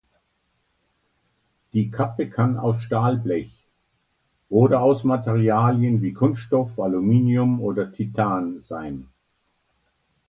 Die Kappe kann aus Stahlblech oder aus Materialien wie Kunststoff, Aluminium oder Titan sein.